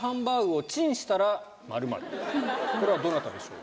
これはどなたでしょう？